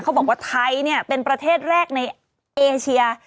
เขาบอกว่าไทยเนี่ยเป็นประเทศแรกในเอเชีย